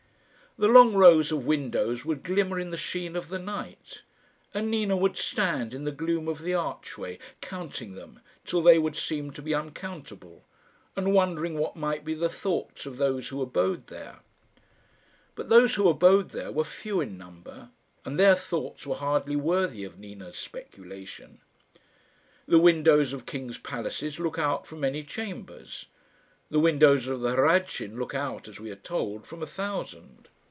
The long rows of windows would glimmer in the sheen of the night, and Nina would stand in the gloom of the archway counting them till they would seem to be uncountable, and wondering what might be the thoughts of those who abode there. But those who abode there were few in number, and their thoughts were hardly worthy of Nina's speculation. The windows of kings' palaces look out from many chambers. The windows of the Hradschin look out, as we are told, from a thousand.